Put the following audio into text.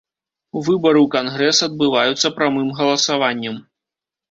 Выбары ў кангрэс адбываюцца прамым галасаваннем.